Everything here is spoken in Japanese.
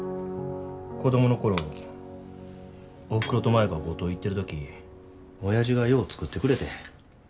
子供の頃おふくろと舞が五島行ってる時おやじがよう作ってくれてん。